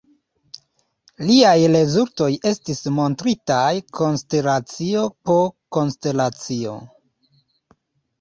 Liaj rezultoj estis montritaj konstelacio po konstelacio.